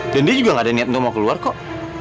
dan dia juga nggak ada niat untuk mau keluar kok